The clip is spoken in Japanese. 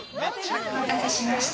お待たせしました。